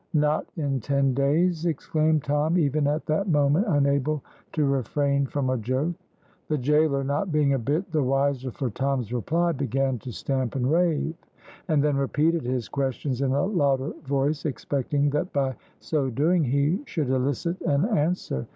"Not in ten days!" exclaimed Tom, even at that moment unable to refrain from a joke. The gaoler, not being a bit the wiser for Tom's reply, began to stamp and rave, and then repeated his questions in a louder voice, expecting that by so doing he should elicit an answer.